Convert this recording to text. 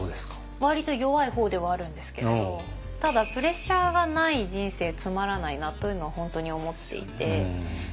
割と弱い方ではあるんですけれどただプレッシャーがない人生つまらないなというのを本当に思っていて。